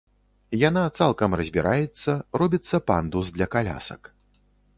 Яна цалкам разбіраецца, робіцца пандус для калясак.